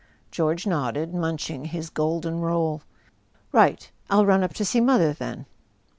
George nodded, munching his golden roll. "Right. I'll run up to see mother, then."